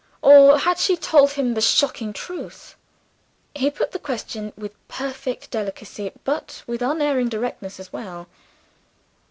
or had she told him the shocking truth? He put the question with perfect delicacy but with unerring directness as well.